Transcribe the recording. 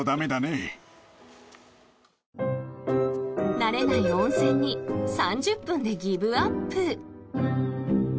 慣れない温泉に３０分でギブアップ。